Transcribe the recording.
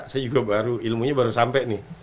saya juga baru ilmunya baru sampai nih